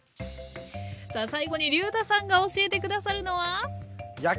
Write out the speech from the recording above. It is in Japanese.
さあ最後にりゅうたさんが教えて下さるのは。